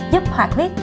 giúp hoạt huyết